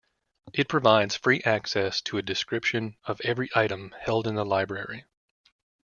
It provides free access to a description of every item held in the library.